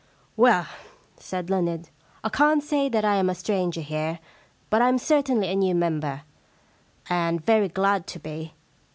* Well,' said Leonard, * I can't say that I am a stranger here, but I am certainly a new member, and very glad to be.